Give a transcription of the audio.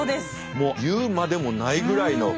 もう言うまでもないぐらいの。